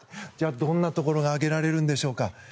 じゃあどんなところが挙げられるんでしょうか。